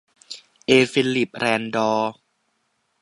เอ ฟิลลิป แรนดอ